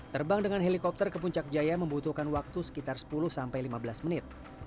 terbang dengan helikopter ke puncak jaya membutuhkan waktu sekitar sepuluh menit